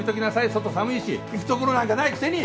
外寒いし行くところなんかないくせに。